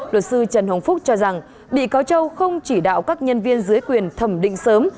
luật sư trần hồng phúc cho rằng bị cáo châu không chỉ đạo các nhân viên dưới quyền thẩm định sớm